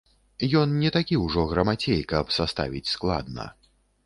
Ён не такі ўжо грамацей, каб саставіць складна.